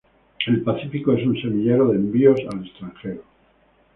El Pacífico es un semillero de envíos al extranjero.